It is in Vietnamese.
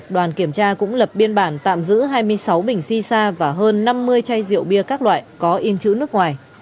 đoàn kiểm tra cũng lập biên bản tạm giữ hai mươi sáu bình xì xa và hơn năm mươi chai rượu bia các loại có in chữ nước ngoài